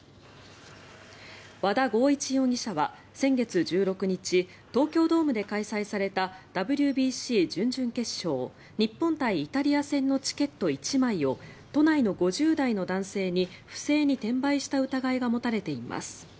和田剛一容疑者は先月１６日東京ドームで開催されたＷＢＣ準々決勝日本対イタリア戦のチケット１枚を都内の５０代の男性に不正に転売した疑いが持たれています。